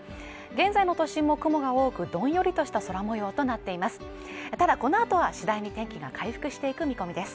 現在の都心も雲が多くどんよりとした空模様となっています